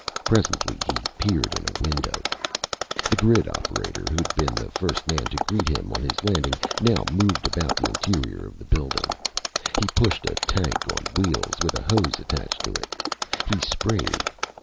Presently he peered in a window. The grid operator who'd been the first man to greet him on his landing, now moved about the interior of the building. He pushed a tank on wheels. With a hose attached to it, he sprayed.